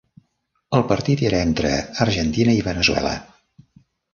El partit era entre Argentina i Venezuela.